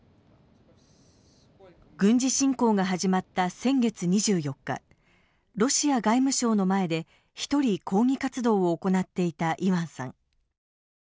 軍事侵攻が始まった先月２４日ロシア外務省の前で１人、抗議活動を行っていたイワンさん。